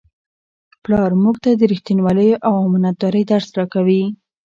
پلار موږ ته د رښتینولۍ او امانتدارۍ درس راکوي.